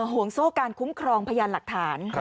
ห่วงโซ่การคุ้มครองพยานหลักฐาน